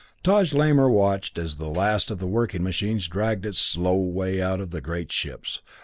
Taj Lamor watched as the last of the working machines dragged its slow way out of the great ships.